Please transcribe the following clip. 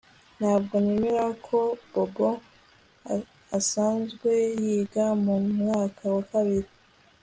Ntabwo nemera ko Bobo asanzwe yiga mu mwaka wa kabiri